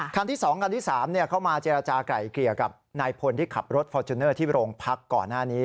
คันที่๒คันที่๓เข้ามาเจรจากลายเกลี่ยกับนายพลที่ขับรถฟอร์จูเนอร์ที่โรงพักก่อนหน้านี้